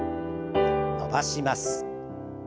伸ばします。